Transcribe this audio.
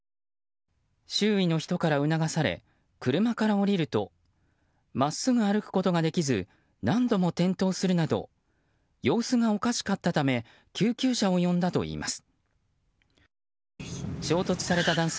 周囲の人から促され車から降りると真っすぐ歩くことができず何度も転倒するなど様子がおかしかったため救急車を呼んだといいます。